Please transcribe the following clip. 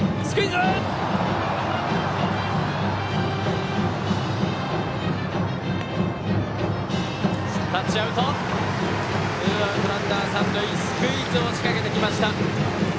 ツーアウトランナー、三塁でスクイズを仕掛けてきました。